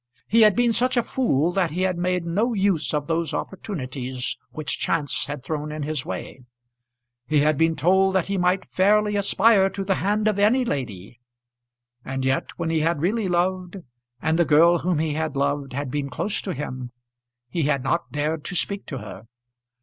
He had been such a fool that he had made no use of those opportunities which chance had thrown in his way. He had been told that he might fairly aspire to the hand of any lady. And yet when he had really loved, and the girl whom he had loved had been close to him, he had not dared to speak to her!